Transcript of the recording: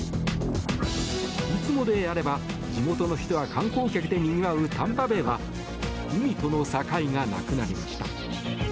いつもであれば地元の人や観光客でにぎわうタンパベイは海との境がなくなりました。